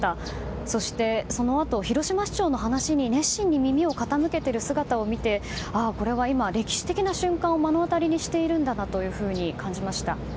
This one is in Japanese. そして、そのあと広島市長の話に熱心に耳を傾けている姿を見てこれは今、歴史的な瞬間を目の当たりにしているんだなと感じました。